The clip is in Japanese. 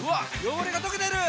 汚れが溶けてる！